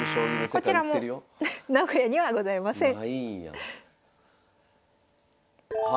こちら名古屋にはございません。